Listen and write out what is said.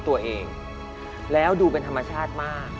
ตัวเองแล้วดูเป็นธรรมชาติมาก